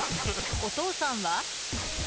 お父さんは？